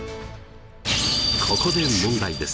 ここで問題です。